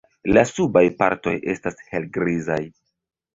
La subaj partoj estas helgrizaj.